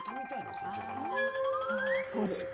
そして？